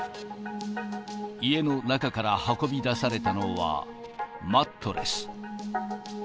家の中から運び出されたのは、マットレス。